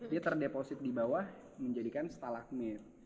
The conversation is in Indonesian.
dia terdeposit di bawah menjadikan stalagmit